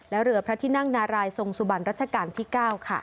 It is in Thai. และเรือพระที่นั่งนารายทรงสุบันรัชกาลที่๙ค่ะ